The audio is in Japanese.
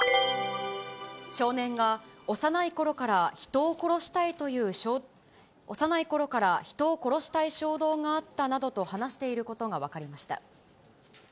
少年が、幼いころから人を殺したい衝動があったなどと話していることが分かりました。